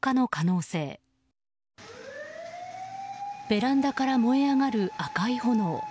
ベランダから燃え上がる赤い炎。